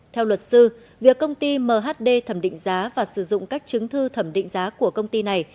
theo luật sư việc công ty mhd thẩm định giá và sử dụng các chứng thư thẩm định giá của công ty này